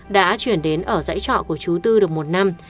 đã chuyển đến ở dãy trọ của chú tư được một năm